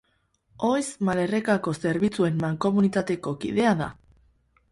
Oiz Malerrekako Zerbitzuen Mankomunitateko kidea da.